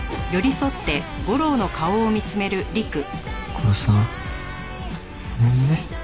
ゴロさんごめんね。